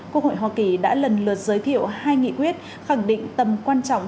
quốc hội hoa kỳ đã lần lượt giới thiệu hai nghị quyết khẳng định tầm quan trọng